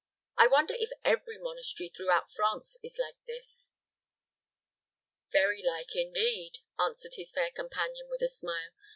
"I wonder if every monastery throughout France is like this." "Very like, indeed," answered his fair companion, with a smile.